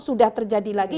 sudah terjadi lagi